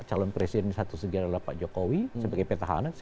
calon presiden satu segi adalah pak jokowi sebagai petahana